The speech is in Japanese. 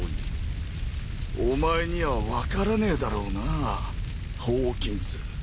お前には分からねえだろうなホーキンス。